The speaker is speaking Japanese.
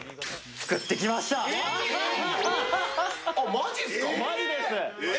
マジっすか。